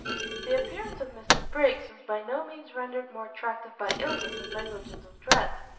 The appearance of Mr Briggs was by no means rendered more attractive by illness and negligence of dress.